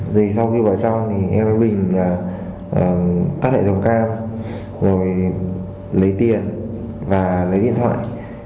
rồi sau khi vào xong thì em với bình các hệ thống cam rồi lấy tiền và lấy điện thoại